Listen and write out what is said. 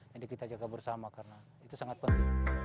jadi kita jaga bersama karena itu sangat penting